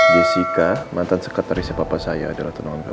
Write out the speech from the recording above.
jessica mantan sekat dari si papa saya adalah tenangan kamu